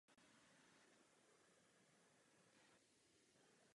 Buduje důvěru.